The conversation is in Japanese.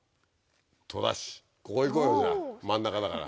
戸田市ここ行こうよじゃあ真ん中だから。